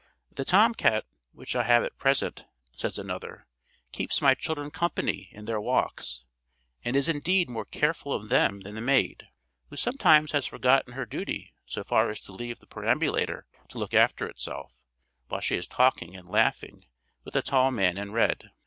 "The tom cat which I have at present," says another, "keeps my children company in their walks, and is indeed more careful of them than the maid, who sometimes has forgotten her duty so far as to leave the perambulator to look after itself, while she is talking and laughing with a tall man in red.